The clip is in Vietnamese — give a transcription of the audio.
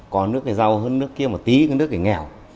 có nước này giàu hơn nước kia một tí có nước này nghèo